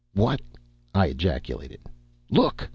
"What " I ejaculated. "Look!"